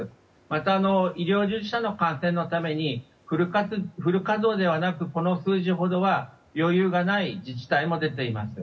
また、医療従事者の感染のためにフル稼働ではなくこの数字ほどは余裕がない自治体も出ています。